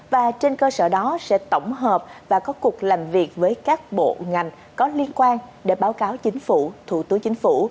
và trên cơ sở đó sẽ tổng hợp và có cuộc làm việc với các bộ ngành có liên quan để báo cáo chính phủ thủ tướng chính phủ